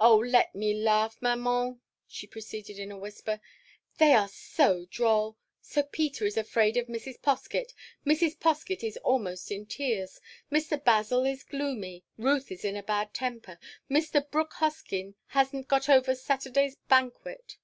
"Oh, let me laugh, Maman!" She proceeded in a whisper, "They are so droll! Sir Peter is afraid of Mrs. Poskett; Mrs. Poskett is almost in tears; Mr. Basil is gloomy; Ruth is in a bad temper; and Mr. Brooke Hoskyn has n't got over Saturday's banquet."